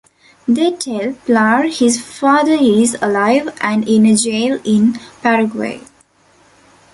They tell Plarr his father is alive and in a jail in Paraguay.